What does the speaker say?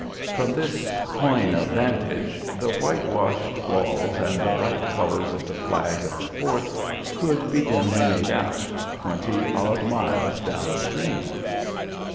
From his "coigne of vantage" the whitewashed walls and the bright colors of the flag of the fort could be dimly made out, twenty odd miles down stream.